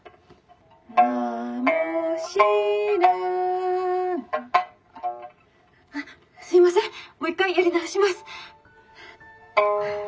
「名も知ら」「あっすいませんもう一回やり直します」。